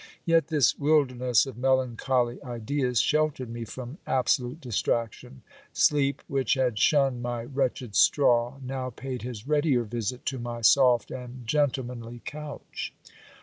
Yet this wilder ness of melancholy ideas sheltered me from absolute distraction : sleep, which had shunned my wretched straw, now paid his readier visit to my soft and gentle manly couch.